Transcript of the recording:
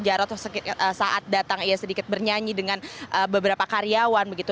jarod saat datang ia sedikit bernyanyi dengan beberapa karyawan begitu